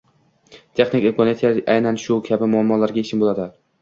Texnik imkoniyatlar aynan shu kabi muammolarga yechim bo‘ladi.